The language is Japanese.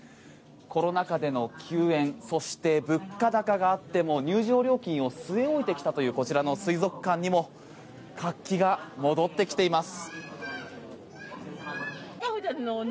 コロナ禍での休園そして物価高があっても入場料金を据え置いてきたというこちらの水族館にも活気が戻ってきています。